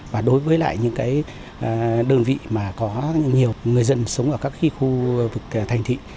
và đối với lại những cái đơn vị mà có nhiều người dân sống ở các khu thành thị